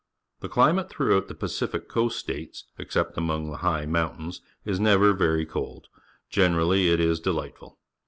The climate throughout the PacifiaJIlQast__ States, except among the high mountains, is__ never very cold. Generally it is delightful.